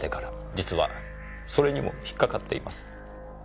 実はそれにも引っ掛かっています。